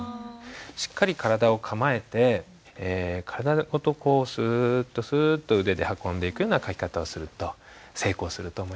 しっかり体を構えて体ごとこうスッとスッと腕で運んでいくような書き方をすると成功すると思います。